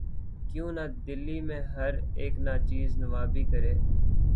کیوں نہ دلی میں ہر اک ناچیز نوّابی کرے